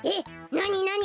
なになに？